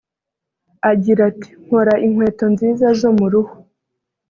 Agira ati “Nkora inkweto nziza zo mu ruhu